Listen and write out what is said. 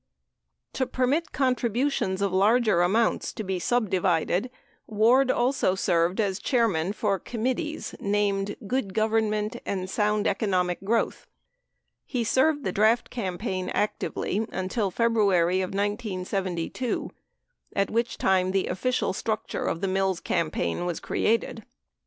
To permit contributions of larger amounts to be subdivided, Ward also served as chairman for committees named "Good Government" and "Sound Economic Growth." 1 2 He served the draft campaign actively until February of 1972, at which time the official structure of the Mills campaign was created.